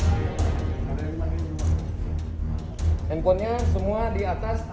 handphonenya semua diatas